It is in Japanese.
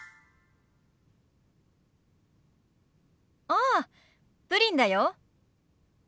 ああプリンだよ。